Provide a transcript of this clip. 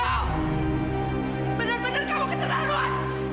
benar benar kamu keterlaluan